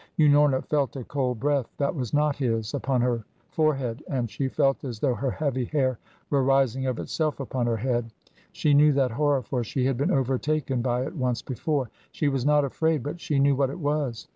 Unorna felt a cold breath, that was not his, upon her forehead, and she felt as though her heavy hair were rising of itself upon her head. She knew that horror, for she had been overtaken by it once before. She was not afraid, but she knew what it was.